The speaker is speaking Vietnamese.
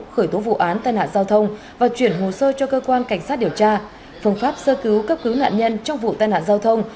khởi tố vụ án tai nạn giao thông và chuyển hồ sơ cho cơ quan cảnh sát điều tra phương pháp sơ cứu cấp cứu nạn nhân trong vụ tai nạn giao thông